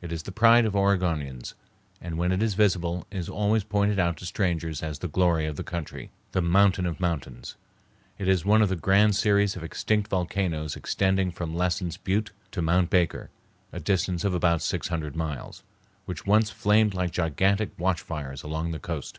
It is the pride of Oregonians, and when it is visible is always pointed out to strangers as the glory of the country, the mountain of mountains. It is one of the grand series of extinct volcanoes extending from Lassen's Butte to Mount Baker, a distance of about six hundred miles, which once flamed like gigantic watch fires along the coast.